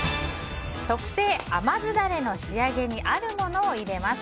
特製甘酢ダレの仕上げにあるものを入れます。